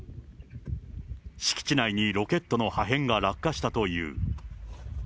敷地内にロケットの破片が落下したという。